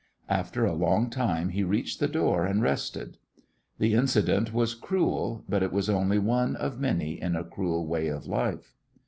After a long time he reached the door, and rested. The incident was cruel, but it was only one of many in a cruel way of life.